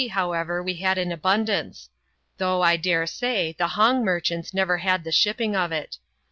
however, we had in abundance ; though, I dare say, the Hong merchants never had the shipping of it.